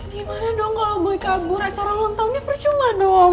gimana dong kalau boy kabur acara ulang tahunnya percuma dong